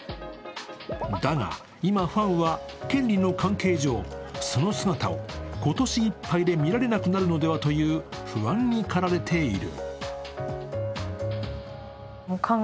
だが、今ファンは権利の関係上、その姿を今年いっぱいで見られなくなるのではという不安にかられている。